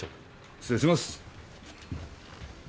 失礼します！